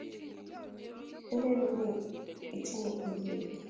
Inyendet ne itinye iywek